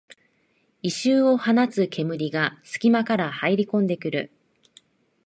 異臭を放つ煙がすき間から入りこんでくる